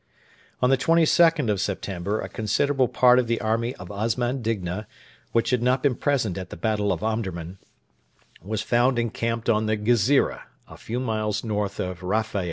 On the 22nd of September a considerable part of the army of Osman Digna, which had not been present at the battle of Omdurman, was found encamped on the Ghezira, a few miles north of Rufaa.